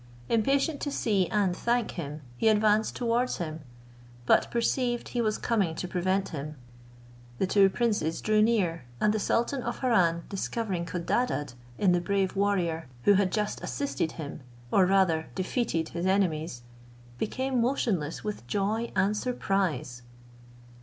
Impatient to see and thank him, he advanced towards him, but perceived he was coming to prevent him. The two princes drew near, and the sultan of Harran discovering Codadad in the brave warrior who had just assisted him, or rather defeated his enemies, became motionless with joy and surprise.